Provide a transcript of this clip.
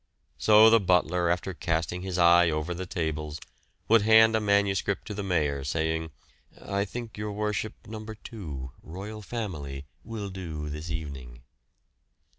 So the butler, after casting his eye over the tables, would hand a manuscript to the Mayor, saying "I think, your Worship, No. 2, 'Royal Family,' will do this evening."